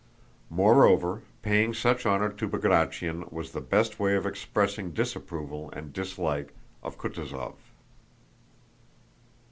Moreover, paying such honor to Bagratión was the best way of expressing disapproval and dislike of Kutúzov.